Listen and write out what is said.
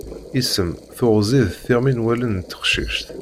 Isem, teɣzi d tiɣmi n wallen n teqcict.